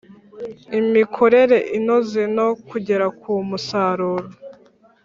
imikorere inoze no kugera ku musaruro